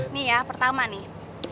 nih ya pertama nih